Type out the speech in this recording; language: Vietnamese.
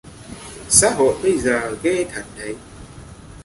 Xã hội bây giờ ghê thật đấy